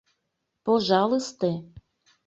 Пожалысте.